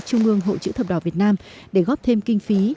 trung ương hội chữ thập đỏ việt nam để góp thêm kinh phí